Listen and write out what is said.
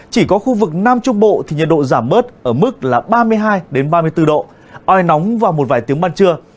chỉ có khu vực nam trung bộ thì nhiệt độ giảm bớt ở mức là ba mươi hai ba mươi bốn độ oi nóng vào một vài tiếng ban trưa